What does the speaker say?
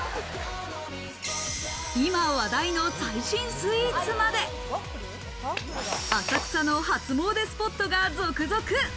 今話題の最新スイーツまで、浅草の初詣スポットが続々。